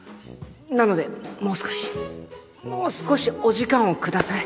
なのでもう少しもう少しお時間をください。